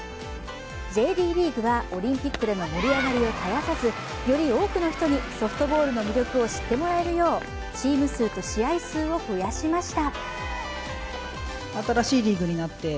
ＪＤリーグはオリンピックでの盛り上がりを絶やさずより多くの人にソフトボールの魅力を知ってもらえるよう、チーム数と試合数を増やしました。